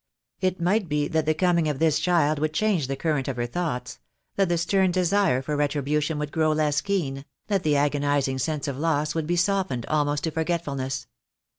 It might be that the coming of this child would change the current of her thoughts, that the stern desire for retribution would grow less keen, that the agonizing sense of loss would be softened almost to forgetfulness.